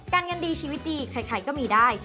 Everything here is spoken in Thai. การเงินดีชีวิตดีใครก็มีได้